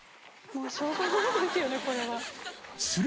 もうしょうがないですよねこれは。磴垢襪